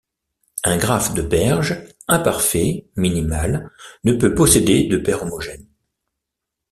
Un graphe de Berge imparfait minimal ne peut posséder de paire homogène.